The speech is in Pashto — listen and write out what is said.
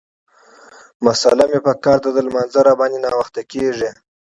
جاینماز مې پکار دی، د لمانځه راباندې ناوخته کيږي.